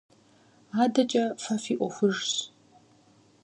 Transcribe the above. АдэкӀэ фэ фи Ӏуэхужщ.